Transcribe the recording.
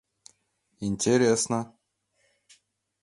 Интересно.